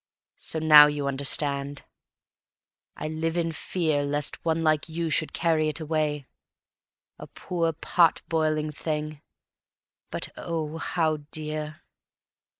So now you understand. I live in fear Lest one like you should carry it away; A poor, pot boiling thing, but oh, how dear!